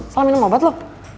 salah minum obat lu